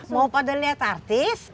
mau pada lihat artis